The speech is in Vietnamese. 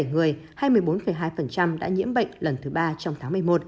bốn mươi bảy người hay một mươi bốn hai đã nhiễm bệnh lần thứ ba trong tháng một mươi một